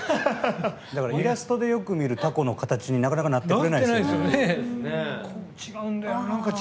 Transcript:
だからイラストでよく見るタコの形になかなかなってくれないですよね。